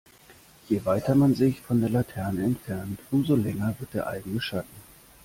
Je weiter man sich von der Laterne entfernt, umso länger wird der eigene Schatten.